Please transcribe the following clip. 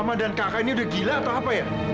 sama dan kakak ini udah gila atau apa ya